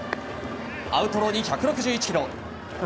アウトローに１６１キロ。